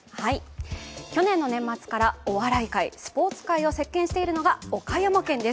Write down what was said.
去年の年末からお笑い界、スポーツ界を席巻しているのが岡山県です。